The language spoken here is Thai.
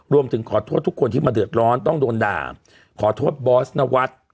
รวมถึงขอโทษทุกคนที่มาเดือดร้อนต้องโดนด่าขอโทษบอสนวัฒน์